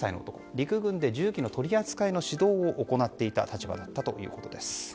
陸軍で銃器の取り扱いの指導をしていたということです。